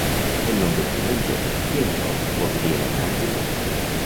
El nou d'octubre en Jofre i en Roc voldrien anar a Gilet.